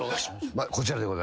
こちらでございます。